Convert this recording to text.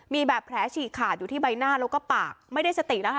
มีแบบแผลฉีกขาดอยู่ที่ใบหน้าแล้วก็ปากไม่ได้สตินะคะ